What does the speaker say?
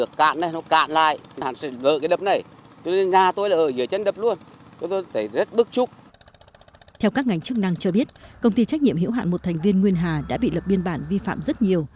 theo các ngành chức năng cho biết công ty trách nhiệm hiểu hạn một thành viên nguyên hà đã bị lập biên bản vi phạm rất nhiều